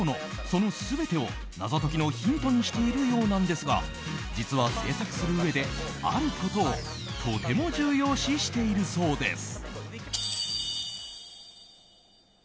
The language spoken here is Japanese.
その全てを謎解きのヒントにしているようなんですが実は制作するうえで、あることをとても重要視しているそうです。